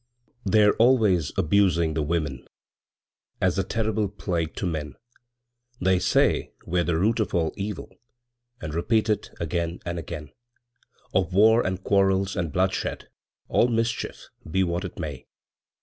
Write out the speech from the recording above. They're always abusing the women, As a terrible plague to men; They say we're the root of all evil, And repeat it again and again Of war, and quarrels, and bloodshed, All mischief, be what it may.